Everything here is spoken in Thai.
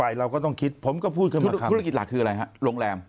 ช่วยคุณอิสระธุรกิจหลักคืออะไรครับ